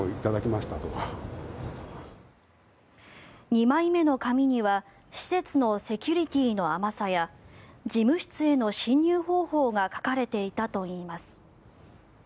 ２枚目の紙には施設のセキュリティーの甘さや事務室への侵入方法が書かれていたといいます。